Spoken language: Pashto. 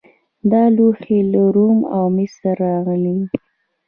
دا لوښي له روم او مصر راغلي وو